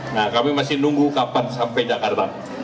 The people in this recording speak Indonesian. nah kami masih nunggu kapan sampai jakarta